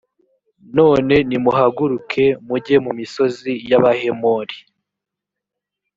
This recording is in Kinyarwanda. none nimuhaguruke, mujye mu misozi y’abahemori